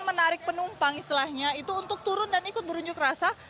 menarik penumpang istilahnya itu untuk turun dan ikut berunjuk rasa